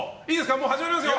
もう始まりますよ！